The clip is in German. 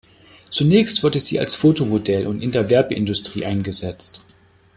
Zunächst wurde sie als Fotomodell und in der Werbeindustrie eingesetzt.